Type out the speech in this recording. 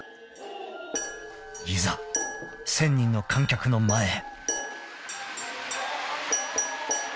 ［いざ１，０００人の観客の前へ］